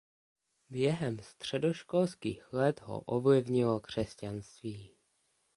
Během středoškolských let ho ovlivnilo křesťanství.